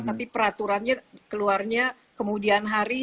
tapi peraturannya keluarnya kemudian hari